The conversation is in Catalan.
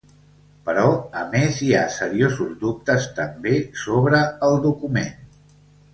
Però, a més, hi ha seriosos dubtes també sobre el document.